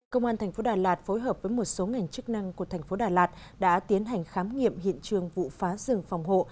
công an tp đà lạt phối hợp với một số ngành chức năng của tp đà lạt đã tiến hành khám nghiệm hiện trường vụ phá rừng phòng hộ